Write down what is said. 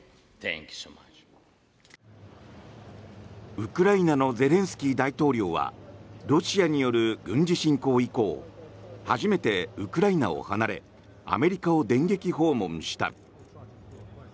ウクライナのゼレンスキー大統領はロシアによる軍事侵攻以降初めてウクライナを離れアメリカを電撃訪問した。